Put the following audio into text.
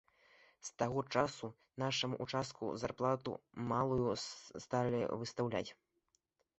З таго часу нашаму ўчастку зарплату малую сталі выстаўляць.